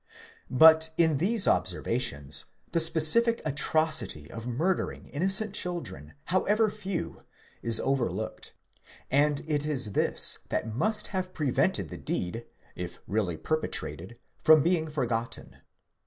* But in these observations the specific atro city of murdering innocent children, however few, is overlooked ; and it is this that must have prevented the deed, if really perpetrated, from being forgotten.